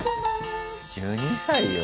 １２歳よ。